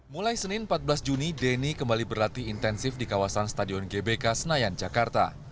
mulai senin empat belas juni denny kembali berlatih intensif di kawasan stadion gbk senayan jakarta